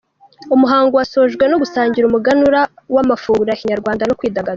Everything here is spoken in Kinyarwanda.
Umuhango wasojwe no gusangira umuganura w’ amafunguro ya Kinyarwanda no kwidagadura.